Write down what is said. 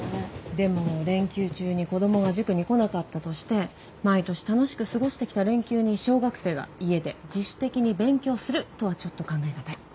でも連休中に子供が塾に来なかったとして毎年楽しく過ごして来た連休に小学生が家で自主的に勉強するとはちょっと考え難い。